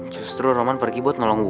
justru roman pergi buat nolong gue